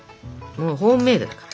ホームメードだから。